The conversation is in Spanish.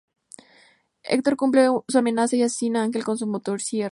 Hector cumple su amenaza y asesina Ángel con su motosierra.